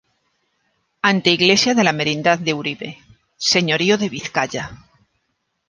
Anteiglesia de la Merindad de Uribe, Señorío de Vizcaya.